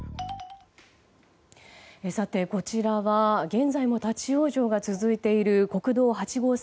さて、こちらは現在も立ち往生が続いている国道８号線